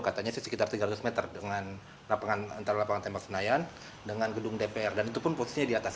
katanya sih sekitar tiga ratus meter dengan lapangan antara lapangan tembak senayan dengan gedung dpr dan itu pun posisinya di atas